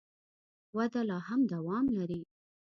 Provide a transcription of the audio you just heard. وده لا هم دوام لري.